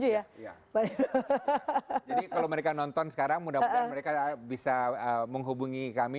jadi kalau mereka nonton sekarang mudah mudahan mereka bisa menghubungi kami